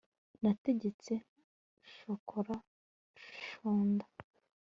nategetse shokora shonda